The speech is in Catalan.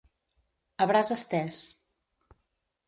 A braç estès.